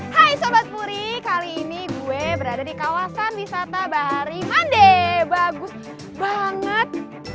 hai sobat puri kali ini gue berada di kawasan wisata barimande bagus banget